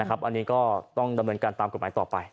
อันนี้ก็ต้องดำเนินการตามกฎหมายต่อไป